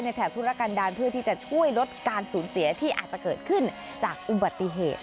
แถบธุรกันดาลเพื่อที่จะช่วยลดการสูญเสียที่อาจจะเกิดขึ้นจากอุบัติเหตุ